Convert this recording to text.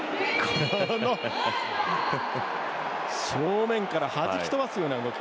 正面からはじき飛ばすような動き。